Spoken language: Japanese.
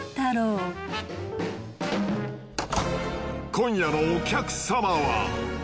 今夜のお客様は。